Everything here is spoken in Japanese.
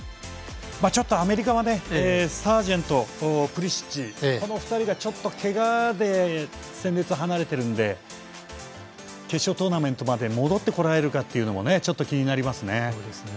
ちょっとアメリカはサージェント、プリシッチこの２人がけがで戦列を離れているんで決勝トーナメントまでに戻ってこれるかというのもちょっと気になりますね。